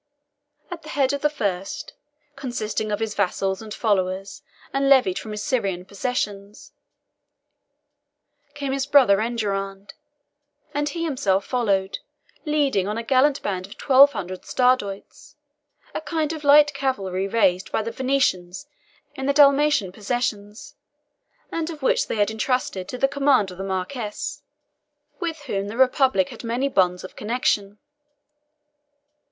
At the head of the first, consisting of his vassals and followers, and levied from his Syrian possessions, came his brother Enguerrand; and he himself followed, leading on a gallant band of twelve hundred Stradiots, a kind of light cavalry raised by the Venetians in their Dalmatian possessions, and of which they had entrusted the command to the Marquis, with whom the republic had many bonds of connection.